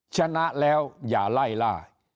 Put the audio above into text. ชนะแล้วอย่าไล่ล่า